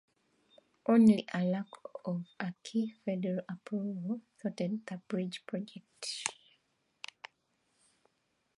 Only a lack of a key federal approval thwarted the bridge project.